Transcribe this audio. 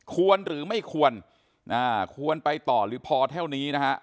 ควรหรือไม่ควรควรไปต่อหรือพอเท่านี้นะฮะ